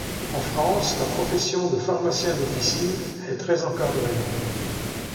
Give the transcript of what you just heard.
En France, la profession de pharmacien d'officine est très encadrée.